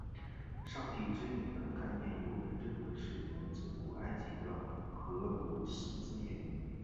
上帝之眼的概念有人认为是源自古埃及的荷鲁斯之眼。